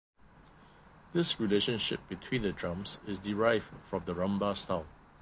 This relationship between the drums is derived from the rumba style.